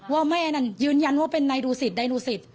ว่าแม่นั้นยืนยันว่าเป็นในดูสิทธิ์ในดูสิทธิ์